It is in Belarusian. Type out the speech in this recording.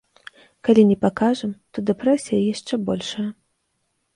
Калі не пакажам, то дэпрэсія яшчэ большая.